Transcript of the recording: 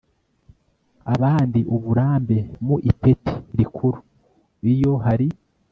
abandi uburambe mu ipeti rikuru iyo hari